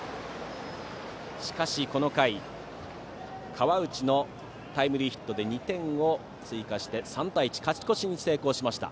しかしこの回、河内のタイムリーヒットで２点を追加し３対１、勝ち越しに成功しました。